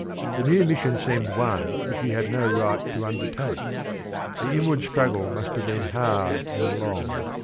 The new mission seemed one which he had no right to undertake. The inward struggle must have been hard and long.